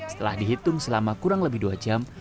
setelah dihitung selama kurang lebih dua jam